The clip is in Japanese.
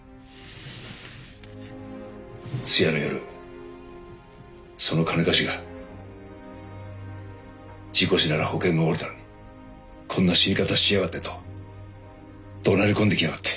通夜の夜その金貸しが事故死なら保険が下りたのにこんな死に方しやがってとどなり込んできやがって。